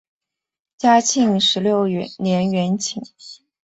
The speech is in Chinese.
嘉庆十六年园寝。